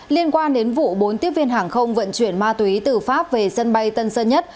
liên quan đến vụ bốn tiếp viên hàng không vận chuyển ma túy từ pháp về sân bay tân sơn nhất